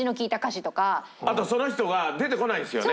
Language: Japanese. あとその人が出てこないんですよね。